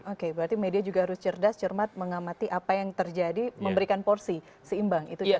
oke berarti media juga harus cerdas cermat mengamati apa yang terjadi memberikan porsi seimbang